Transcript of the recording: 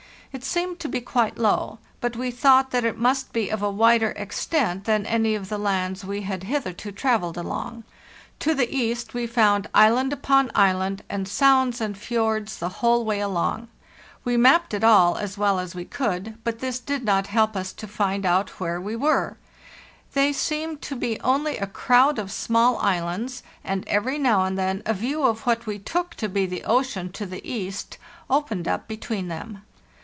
It seemed to be quite low, but we thought that it must be of a wider extent than any of the lands we had hitherto travelled along. To the east we found island upon island, and sounds and fjords the whole way along. We mapped it all as well as we could, but this did not help us to find out where we were; they seemed to be only a crowd of small islands, and every now and then a view of what we took to be the ocean to the east opened up between them.